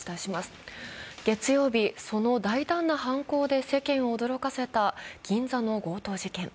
月曜日、その大胆な犯行で世間を驚かせた銀座の強盗事件。